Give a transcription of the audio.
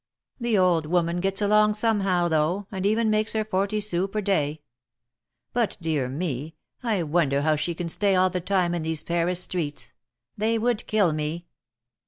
The old woman gets along somehow though, and even makes her forty sous per day. But, dear me, I wonder how she can stay all the time in these Paris streets ; they would kill me."